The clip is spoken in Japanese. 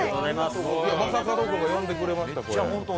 正門君が呼んでくれました。